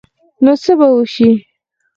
نو څه به وشي ؟